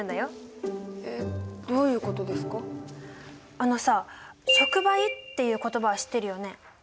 あのさ触媒っていう言葉は知ってるよね。